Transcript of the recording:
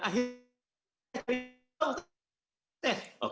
akhirnya kita tahu